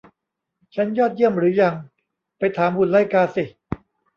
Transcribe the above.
ฉันยอดเยี่ยมหรือยัง ไปถามหุ่นไล่กาสิ